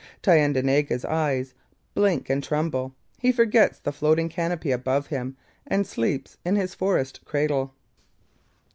Thayendanegea's eyes blink and tremble; he forgets the floating canopy above him and sleeps in his forest cradle.